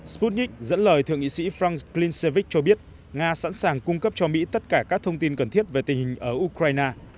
sputnik dẫn lời thượng nghị sĩ franklin sevik cho biết nga sẵn sàng cung cấp cho mỹ tất cả các thông tin cần thiết về tình hình ở ukraine